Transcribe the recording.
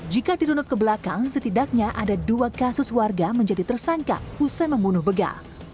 jika dirunut ke belakang setidaknya ada dua kasus warga menjadi tersangka usai membunuh begal